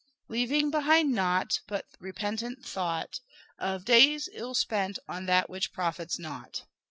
Leaving behind nought but repentent thought Of days ill spent on that which profits nought."